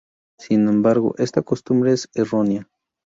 Sin embargo esta costumbre es errónea.